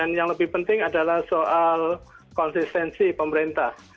dan yang lebih penting adalah soal konsistensi pemerintah